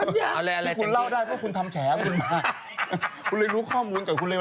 ทำเลยต้องอ่านสกิปก่อนเขานะกับฉันเนี่ย